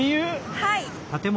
はい！